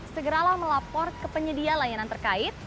segeralah melapor ke penyedia layanan terkait